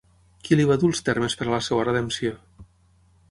Qui li va dur els termes per a la seva redempció?